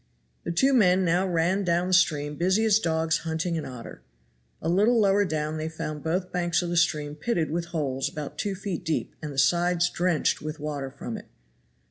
The two men now ran down the stream busy as dogs hunting an otter. A little lower down they found both banks of the stream pitted with holes about two feet deep and the sides drenched with water from it.